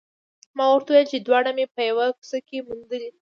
ما درته وویل چې دواړه مې په یوه کوڅه کې موندلي